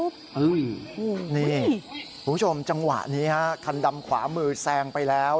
คุณผู้ชมจังหวะนี้ฮะคันดำขวามือแซงไปแล้ว